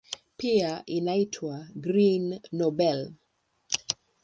Pia inaitwa "Green Nobel".